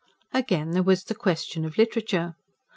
Again, there was the question of literature.